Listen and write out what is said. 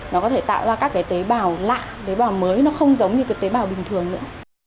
nó có thể tạo ra các cái tế bào lạ tế bào mới nó không giống như cái tế bào bình thường nữa